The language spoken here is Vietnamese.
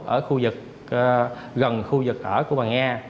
ở khu vực gần khu vực ở của bà nga